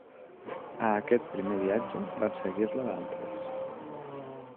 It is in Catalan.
A aquest primer viatge van seguir-lo d'altres.